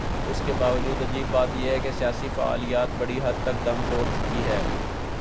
اس کے باوجود عجیب بات یہ ہے کہ سیاسی فعالیت بڑی حد تک دم توڑ چکی ہے۔